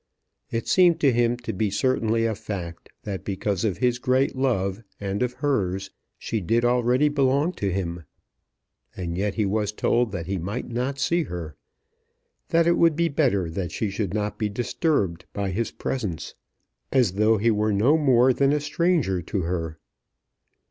It seemed to him to be certainly a fact, that because of his great love, and of hers, she did already belong to him; and yet he was told that he might not see her; that it would be better that she should not be disturbed by his presence, as though he were no more than a stranger to her.